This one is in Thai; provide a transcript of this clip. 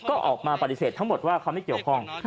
ก็ออกมาปฏิเสธทั้งหมดว่าเขาไม่เกี่ยวข้อง